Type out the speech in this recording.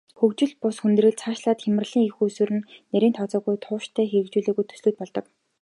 Хөгжил бус хүндрэл, цаашлаад хямралын эх үндэс нь нарийн тооцоогүй, тууштай хэрэгжүүлээгүй төслүүд болдог.